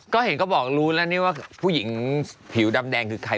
ก็เห็นก็บอกรู้แล้วนี่ว่าผู้หญิงผิวดำแดงคือใคร